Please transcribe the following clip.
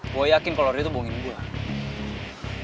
gue yakin kalau dia tuh bohongin gue